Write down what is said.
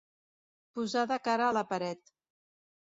Posar de cara a la paret.